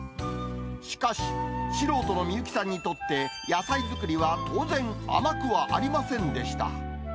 しかし、素人の美幸さんにとって、野菜作りは当然、甘くはありませんでした。